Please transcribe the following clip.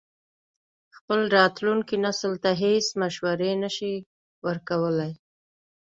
خپل راتلونکي نسل ته هېڅ مشورې نه شي ورکولای.